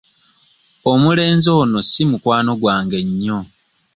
Omulenzi ono si mukwano gwange nnyo.